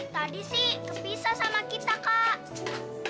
tadi sih kepisah sama kita kak